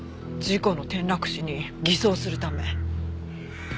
事故の転落死に偽装するため。